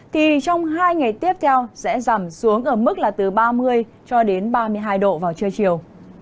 thì trong hai ngày tiếp theo sẽ giảm xuống ở mức là từ ba mươi cho đến ba mươi hai độ vào trưa chiều